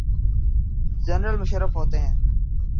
General Musharraf ہوتے ہیں۔